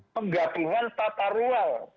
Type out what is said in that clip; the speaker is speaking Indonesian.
penggabungan tata ruang